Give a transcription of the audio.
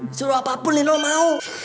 disuruh apapun lino mau